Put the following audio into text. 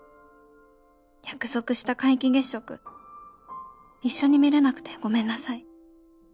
「約束した皆既月食一緒に見れなくてごめんなさい」